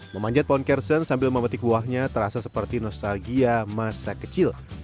memanjat pohon kersen sambil memetik buahnya terasa seperti nostalgia masa kecil